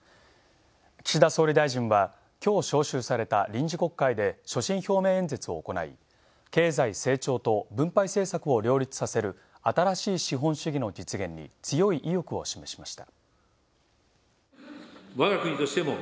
岸田総理大臣はきょう招集された臨時国会で所信表明演説を行い、経済成長と分配政策を両立させる「新しい資本主義」の実現に強い意欲を示しました。